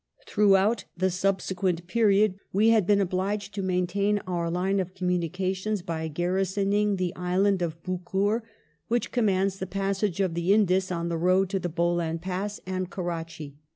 Throughout the subsequent period we had been obliged to maintain our lineof commimications by garrisoning the island of Bukkur, which commands the passage of the Indus, on the road to the Bolan Pass, and Kurrachi.